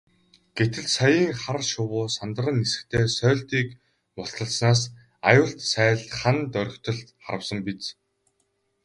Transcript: Гэтэл саяын хар шувуу сандран нисэхдээ сойлтыг мулталснаас аюулт сааль хана доргитол харвасан биз.